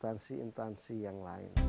hujan masih berpengaruh mengalami seharian